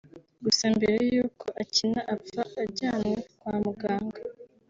Gusa mbere y’uko Akena apfa ajyanywe kwa muganga